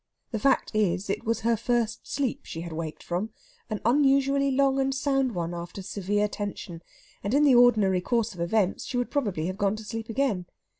The fact is, it was her first sleep she had waked from, an unusually long and sound one after severe tension, and in the ordinary course of events she would probably have gone to sleep again.